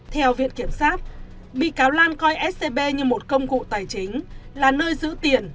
theo viện kiểm sát bị cáo lan coi scb như một công cụ tài chính là nơi giữ tiền